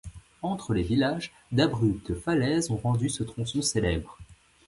Entre les villages, d'abruptes falaises ont rendu ce tronçon célèbre.